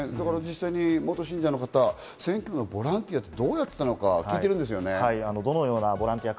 元信者の方、選挙のボランティアをどうやってたのか聞いてるんですよね？